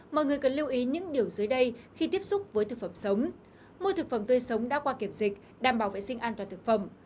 mua thực phẩm tươi sống đã qua kiểm dịch đảm bảo vệ sinh an toàn thực phẩm